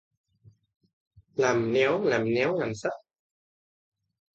Làm néo, làm néo làm xách